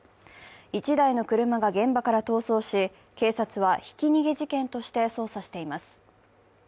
１台の車が現場から逃走し、警察はひき逃げ事件として捜査しています。